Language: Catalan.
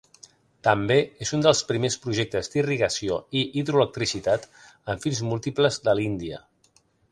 També és un dels primers projectes d'irrigació i hidroelectricitat amb fins múltiples de l'Índia.